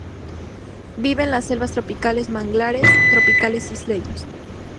Vive en las selvas tropicales, manglares tropicales isleños.